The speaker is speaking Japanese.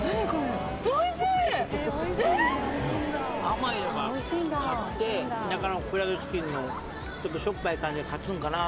甘いのが勝って中のフライドチキンのちょっとしょっぱい感じが勝つんかな